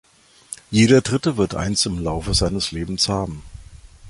Jeder Dritte wird eins im Laufe seines Lebens haben.